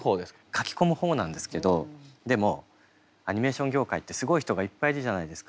描き込む方なんですけどでもアニメーション業界ってすごい人がいっぱいいるじゃないですか。